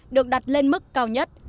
được đặt lên mức cao nhất